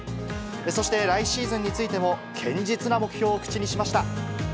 そして来シーズンについても、堅実な目標を口にしました。